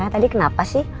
tadi kenapa sih